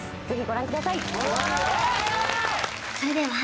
ぜひご覧ください